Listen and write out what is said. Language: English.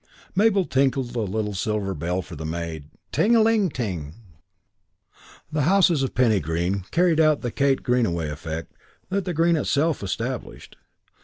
Mabel tinkled a little silver bell for the maid. Ting a ling ting! V The houses of Penny Green carried out the Kate Greenaway effect that the Green itself established.